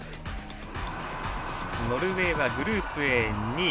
ノルウェーはグループＡ、２位。